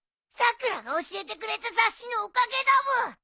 さくらが教えてくれた雑誌のおかげだブー。